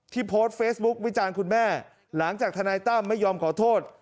โพสต์เฟซบุ๊ควิจารณ์คุณแม่หลังจากทนายตั้มไม่ยอมขอโทษ